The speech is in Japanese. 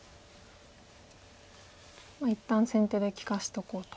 一旦先手で利かしておこうと。